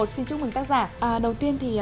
xin chúc mừng tác giả đầu tiên thì